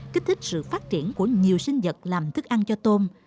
kích thích sự phát triển của nhiều sinh vật làm thức ăn cho tôm